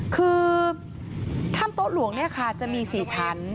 คือถ้ำโต๊ะหลวงเนี่ยค่ะจะมี๔ชั้น